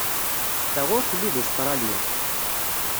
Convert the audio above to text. Ta ur telli d Ustṛalya.